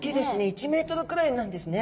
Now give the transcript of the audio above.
１ｍくらいなんですね。